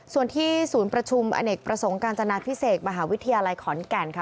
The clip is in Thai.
ส่วนที่ศูนย์ประชุมอเนกประสงค์กาญจนาพิเศษมหาวิทยาลัยขอนแก่นค่ะ